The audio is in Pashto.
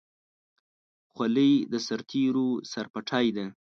خولۍ د سرتېرو سرپټۍ ده.